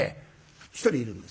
１人いるんですよ。